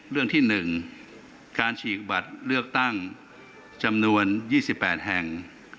เรื่องที่หนึ่งการฉีกบัตรเลือกตั้งจำนวนยี่สิบแปดแห่ง